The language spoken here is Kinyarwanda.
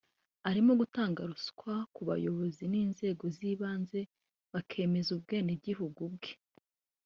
arimo gutanga ruswa ku bayobozi b’inzego z’ibanze bakemeza ubwenegihugu bwe